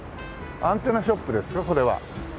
アンテナショップですかこれは。